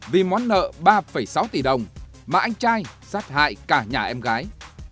vì món nợ ba sáu tỷ đồng mà anh trai sát hại cả nhà em gái